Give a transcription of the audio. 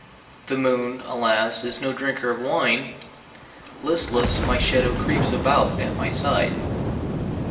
The moon, alas, is no drinker of wine; Listless, my shadow creeps about at my side.